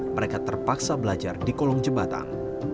mereka terpaksa belajar di kolong jembatan